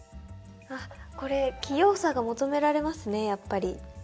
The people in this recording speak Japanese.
あっこれ器用さが求められますねやっぱり。